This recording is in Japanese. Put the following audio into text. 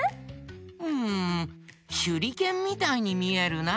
んしゅりけんみたいにみえるな。